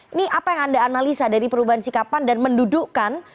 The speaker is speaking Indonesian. ini apa yang anda analisa dari perubahan sikapan dan mendudukkan